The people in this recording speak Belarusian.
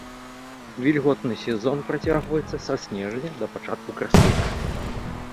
Вільготны сезон працягваецца са снежня да пачатку красавіка.